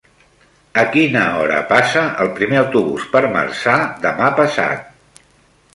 A quina hora passa el primer autobús per Marçà demà passat?